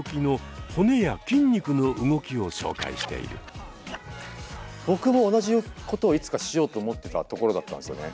こちらの動画では僕も同じことをいつかしようと思ってたところだったんですよね。